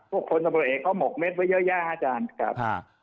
พวกคนสำหรับอิกของเขามมกเม็ดไว้เยอะย่าอาจารย์